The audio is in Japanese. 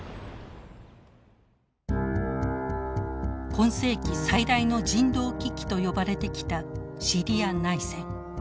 今世紀最大の人道危機と呼ばれてきたシリア内戦。